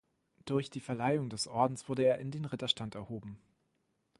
Durch die Verleihung des Ordens wurde er in den Ritterstand erhoben.